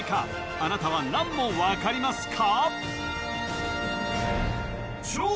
あなたは何問わかりますか？